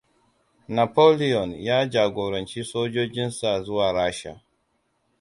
Napoleon ya jagoranci sojojinsa zuwa Rasha.